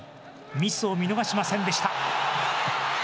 ミスを見逃しませんでした。